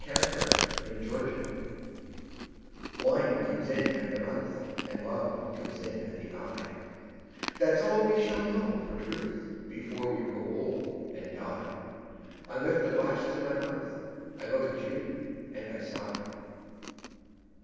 A DRINKING SONG Wine comes in at the mouth And love comes in at the eye; That's all we shall know for truth Before we grow old and die. I lift the glass to my mouth, I look at you, and I sigh.